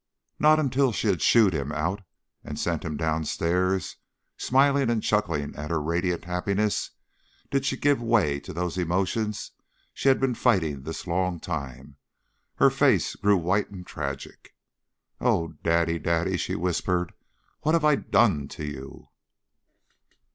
Not until she had "shooed" him out and sent him downstairs, smiling and chuckling at her radiant happiness, did she give way to those emotions she had been fighting this long time; then her face grew white and tragic. "Oh, daddy, daddy!" she whispered. "What have I done to you?"